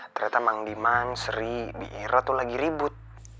ternyata mang diman sri biara tuh lagi ribut